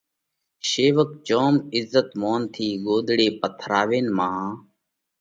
شيوَڪ جوم عزت مونَ ٿِي ڳوۮڙي پٿراوينَ مانه